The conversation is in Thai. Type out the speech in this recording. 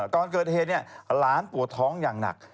ก่อนเกิดเหตุหลานปวดท้องอย่างหนัก